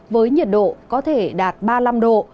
với nhiệt độ có thể đạt ba mươi năm độ